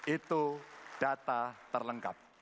itu data terlengkap